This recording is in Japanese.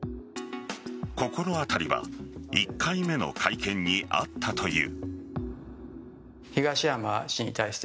心当たりは１回目の会見にあったという。